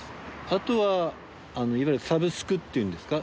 あとはいわゆるサブスクって言うんですか？